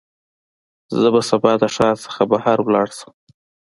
زه به سبا د ښار څخه بهر لاړ شم.